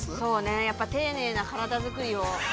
◆やっぱり丁寧な体づくりを。